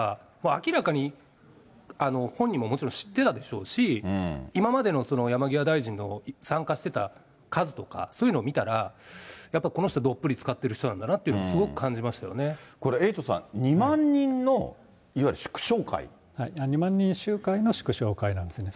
明らかに本人ももちろん知ってたでしょうし、今までの山際大臣の参加してた数とか、そういうのを見たら、やっぱりこの人どっぷりつかってる人なんだなというのをすごく感これ、エイトさん、２万人集会の祝勝会なんですね。